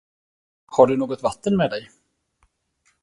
Har du något vatten med dig?